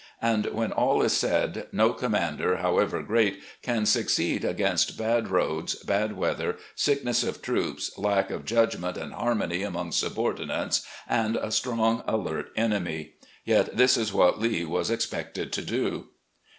,.. And when all is said, no commander, however great, can succeed against bad roads, bad weather, sickness of troops, lack of judgment and harmony among subordinates, and a strong, alert enemy. Yet this is what Lee was expected to do."